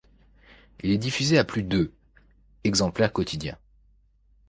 Il est diffusé à plus de exemplaires quotidiens.